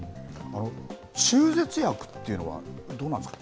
中絶薬っていうのは、どうなんですか？